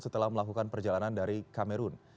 setelah melakukan perjalanan dari kamerun